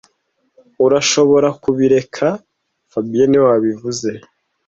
Urashobora kubireka fabien niwe wabivuze